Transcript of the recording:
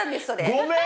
ごめん！